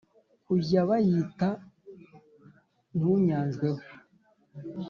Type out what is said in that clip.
Kujya bayita Ntunyanjweho